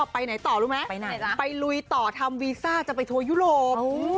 ไปไหนต่อรู้ไหมไปลุยต่อทำวีซ่าจะไปทัวร์ยุโรป